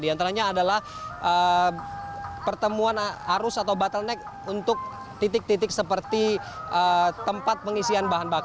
yang terakhir adalah pertemuan arus atau bottleneck untuk titik titik seperti tempat pengisian bahan